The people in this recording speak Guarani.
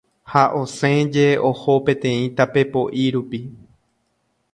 ha osẽje oho peteĩ tapepo'i rupi